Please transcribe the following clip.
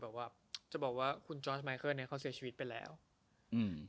แบบว่าจะบอกว่าคุณจอร์สไยเคิลเนี้ยเขาเสียชีวิตไปแล้วอืม